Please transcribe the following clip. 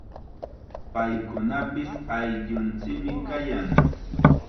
Paykunapis ayllunchikmi kayan.